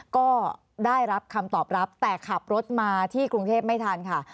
ก็ได้รับคำตอบรับแต่ขับรถมาที่กรุงเทพไม่ทันค่ะ